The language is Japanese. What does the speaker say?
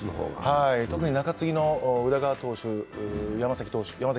特に中継ぎの宇田川投手、山崎投手